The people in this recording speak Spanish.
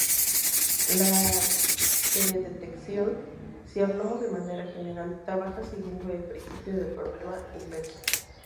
La teledetección, si hablamos de manera general, trabaja siguiendo el principio del problema inverso.